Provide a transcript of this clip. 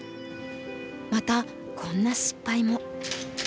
またこんな失敗も。